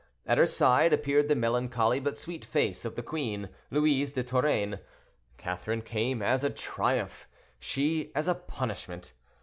At her side appeared the melancholy but sweet face of the queen, Louise de Torraine. Catherine came as a triumph, she as a punishment.